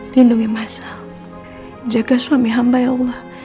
lindungi masa jaga suami hamba ya allah